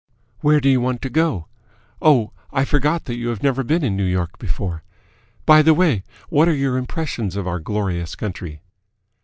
"Where do you want to go? Oh, I forget that you have never been in New York before. By the way, what are your impressions of our glorious country?"